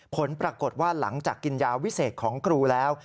ผลปรากฏว่าหลังจากกินยาวิเศษของครูแล้ว